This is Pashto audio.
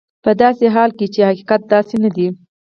په داسې حال کې چې حقیقت داسې نه دی.